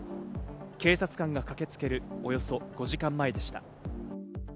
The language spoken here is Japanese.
警察官が駆けつけるおよそ５時間前でした。